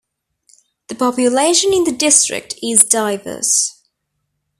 The population in the district is diverse.